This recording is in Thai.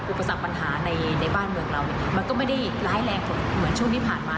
อุปสรรคปัญหาในบ้านเมืองเรามันก็ไม่ได้ร้ายแรงเหมือนช่วงที่ผ่านมา